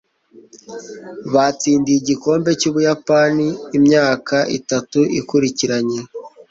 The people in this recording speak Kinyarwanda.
batsindiye igikombe cyubuyapani imyaka itatu ikurikiranye